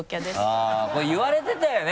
あぁこれ言われてたよね。